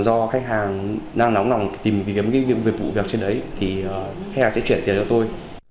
do khách hàng đang nóng nòng tìm những việc tiêu dụng trên đấy khách hàng sẽ truyền tiền cho tôi